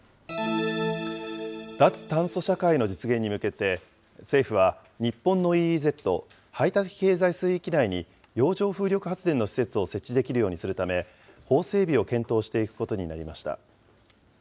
脱炭素社会の実現に向けて、政府は、日本のＥＥＺ・排他的経済水域内に洋上風力発電の施設を設置できるようにするため、法整備を検討していくことになりました。